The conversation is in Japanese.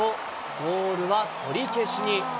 ゴールは取り消しに。